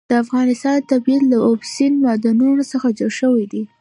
د افغانستان طبیعت له اوبزین معدنونه څخه جوړ شوی دی.